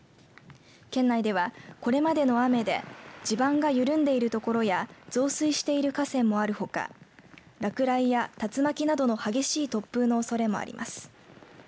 県内では、これまでの雨で地盤が緩んでいる所や増水している河川もあるほか落雷や竜巻などの激しい突風のおそれもあります。